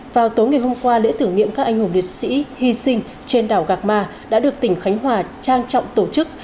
vào tối ngày hôm qua lễ tưởng niệm các anh hùng liệt sĩ hy sinh trên đảo gạc ma đã được tỉnh khánh hòa trang trọng tổ chức